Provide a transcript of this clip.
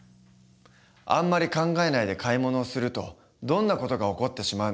あんまり考えないで買い物をするとどんな事が起こってしまうのか。